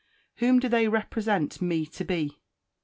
Whom do they represent me to be?